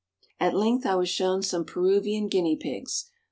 At length I was shown some Peruvian guinea pigs.